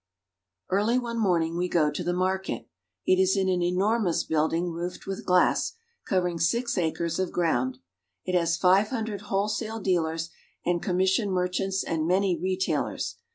Early one morning we go to the market. It is in an enormous building roofed with glass, covering six acres of ground. It has five hundred wholesale dealers and com mission merchants and many retailers.